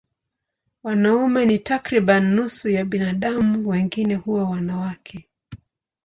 Wanaume ni takriban nusu ya binadamu, wengine huwa wanawake.